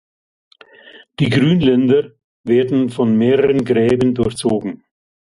Die Grünländer werden von mehreren Gräben durchzogen.